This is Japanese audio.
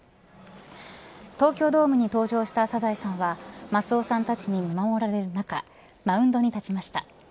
東京ドームに登場したサザエさんはマスオさんたちに見守られる中マウンドに立ちました。